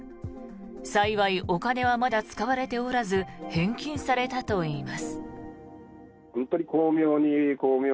幸いお金はまだ使われておらず返金されたといいます。